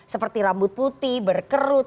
seperti rambut putih berkerut